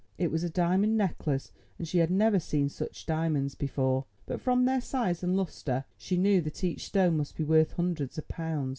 It was a diamond necklace, and she had never seen such diamonds before, but from their size and lustre she knew that each stone must be worth hundreds of pounds.